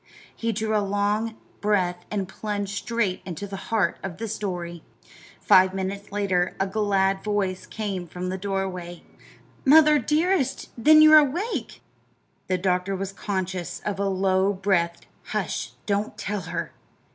He drew a long breath and plunged straight into the heart of the story. Five minutes later a glad voice came from the doorway. "Mother, dearest then you're awake!" The doctor was conscious of a low breathed "Hush, don't tell her!"